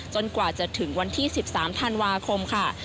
กว่าจะถึงวันที่๑๓ธันวาคมค่ะ